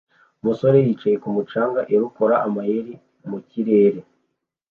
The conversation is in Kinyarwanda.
umusore yicaye kumu canga er ukora amayeri mukirere